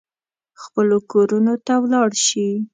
خپلو کورونو ته ولاړ شي.